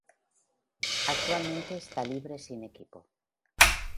Actualmente esta libre sin equipo.